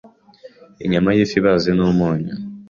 Inyama y’ifi ibaze n’umunyu